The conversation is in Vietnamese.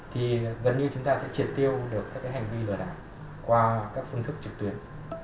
thì gần như chúng ta sẽ triệt tiêu được các hành vi lừa đảo qua các phương thức trực tuyến